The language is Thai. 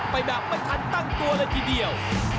ไปแบบไม่ทันตั้งตัวเลยทีเดียว